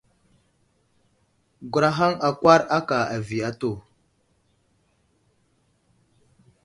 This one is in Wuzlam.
Gurahaŋ akwar aka avi atu.